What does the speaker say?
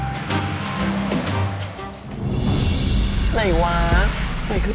การตอบคำถามแบบไม่ตรงคำถามนะครับ